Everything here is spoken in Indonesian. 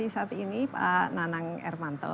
jadi saat ini pak nanang ermanto